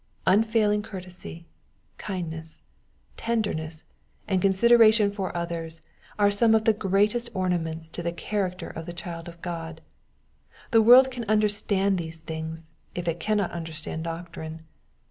Unfailing courtesy, kindness, tender ness, and consideration for others, are some of the greatest ornaments to the character of the child of God. The world can understand these things, if it cannot, understand doctrine.